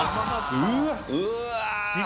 うわ。